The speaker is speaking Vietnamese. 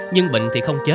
nhưng bình thì không chết